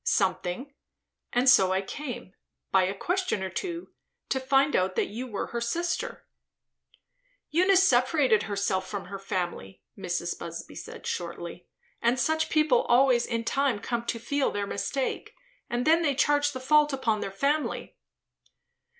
"Something; and so I came, by a question or two, to find out that you were her sister." "Eunice separated herself from her family," Mrs. Busby said shortly; "and such people always in time come to feel their mistake, and then they charge the fault upon their family."